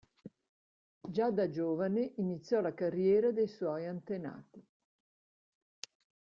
Già da giovane iniziò la carriera dei suoi antenati.